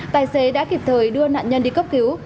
tài xế đã kịp thời đưa nạn nhân đi cấp cứu